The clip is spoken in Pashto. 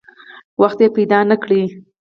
وخت پیدا نه کړي.